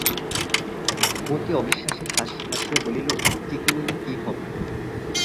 মতি অবিশ্বাসের হাসি হাসিয়া বলিল, টিকে নিলে কী হবে?